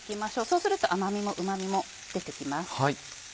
そうすると甘味もうま味も出て来ます。